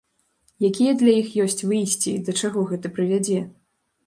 Якія для іх ёсць выйсці і да чаго гэта прывядзе?